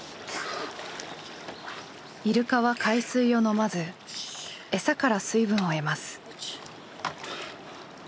イルカは海水を飲まず餌から水分を得ます。